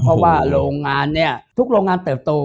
เพราะว่าโรงงานเนี่ยทุกโรงงานเติบโต